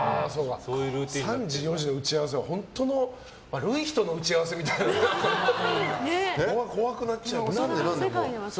３時、４時の打ち合わせは本当の悪い人の打ち合わせみたいで怖くなっちゃう。